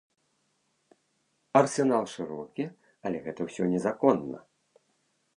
Арсенал шырокі, але гэта ўсё незаконна.